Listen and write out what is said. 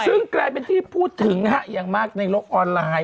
ซึ่งกลายเป็นที่พูดถึงนะฮะอย่างมากในโลกออนไลน์